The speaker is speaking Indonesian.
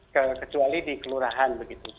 kecuali di kelurahan